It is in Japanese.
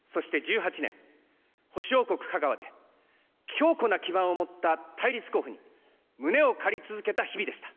そして１８年、保守王国、香川で、強固な基盤を持った対立候補に胸を借り続けた日々でした。